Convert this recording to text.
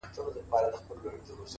o اوس خو رڼاگاني كيسې نه كوي ـ